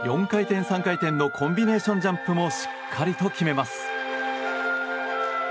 ４回転３回転のコンビネーションジャンプもしっかり決めます。